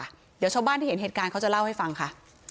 เดี๋ยวชาวบ้านที่เห็นเหตุการณ์เขาจะเล่าให้ฟังค่ะ